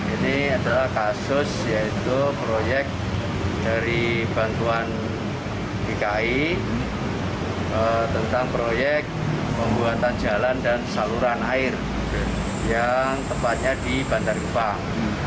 ini adalah kasus yaitu proyek dari bantuan dki tentang proyek pembuatan jalan dan saluran air yang tepatnya di bandar kupang